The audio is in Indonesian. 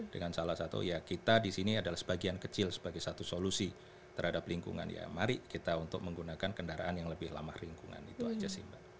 dengan salah satu ya kita di sini adalah sebagian kecil sebagai satu solusi terhadap lingkungan ya mari kita untuk menggunakan kendaraan yang lebih ramah lingkungan itu aja sih mbak